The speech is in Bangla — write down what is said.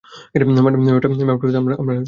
ম্যাপটা পেতে আমরা নাচ করব।